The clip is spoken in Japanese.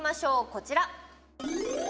こちら。